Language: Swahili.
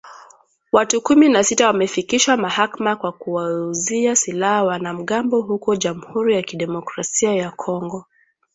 Watu kumi na sita wamefikishwa mahakamani kwa kuwauzia silaha wanamgambo huko Jamhuri ya kidemokrasia ya Kongo.